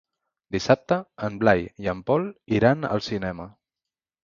Dissabte en Blai i en Pol iran al cinema.